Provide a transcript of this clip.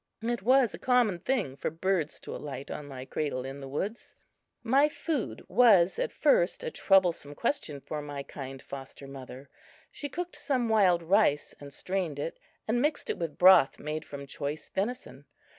It was a common thing for birds to alight on my cradle in the woods. My food was, at first, a troublesome question for my kind foster mother. She cooked some wild rice and strained it, and mixed it with broth made from choice venison.